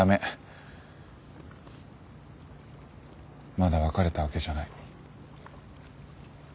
まだ別れたわけじゃない。